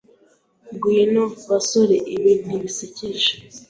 Ngwino, basore. Ibi ntibisekeje.